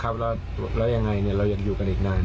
แล้วยังไงเรายังอยู่กันอีกนาน